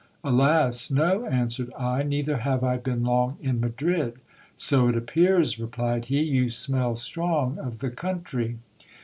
Alas ! no, answered I, neither have I been long in Madrid. So it appears, replied he, you smell strong of the coun try.